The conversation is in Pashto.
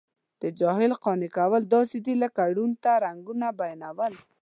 د جاهل قانع کول داسې دي لکه ړوند ته رنګونه بیانوي.